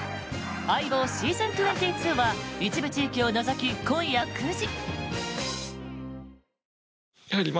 「相棒ｓｅａｓｏｎ２２」は一部地域を除き今夜９時。